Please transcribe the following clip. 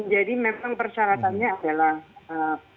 jadi memang persyaratannya adalah